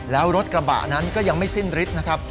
แล้วรถกระบะนั้นก็ยังไม่สิ้นฤทธิ์นะครับ